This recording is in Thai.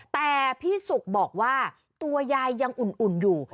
แต่พี่สุกบอกว่าตัวยายยังอุ่นอยู่